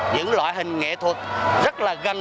những loại hình nghệ thuật rất là gần gũi